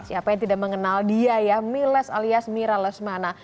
siapa yang tidak mengenal dia ya miles alias mira lesmana